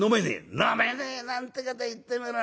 「『飲めねえ』なんてこと言ってみろよ。